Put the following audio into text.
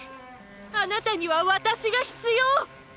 あなたには私が必要！